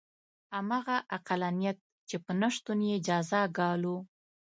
همغه عقلانیت چې په نه شتون یې جزا ګالو.